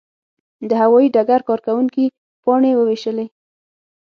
د هوايي ډګر کارکوونکي پاڼې وویشلې.